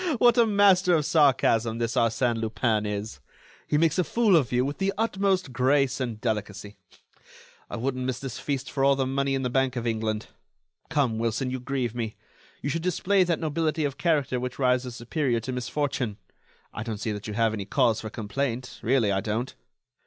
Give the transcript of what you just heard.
What a master of sarcasm this Arsène Lupin is! He makes a fool of you with the utmost grace and delicacy. I wouldn't miss this feast for all the money in the Bank of England. Come, Wilson, you grieve me. You should display that nobility of character which rises superior to misfortune. I don't see that you have any cause for complaint, really, I don't."